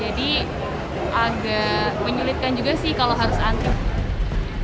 jadi agak menyulitkan juga sih kalau harus antrinya